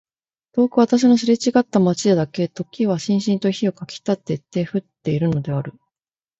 遠く私のすれちがった街でだけ時はしんしんと火をかきたてて降っているのである。